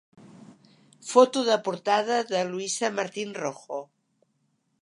Foto de portada de Luisa Martín Rojo.